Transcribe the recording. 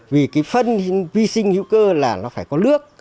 vì cái phân vi sinh hữu cơ là nó phải có nước